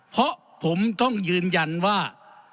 เพราะผมต้องยืนยันว่า